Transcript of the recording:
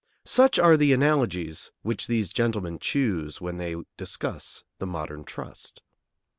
Such are the analogies which these gentlemen choose when they discuss the modern trust.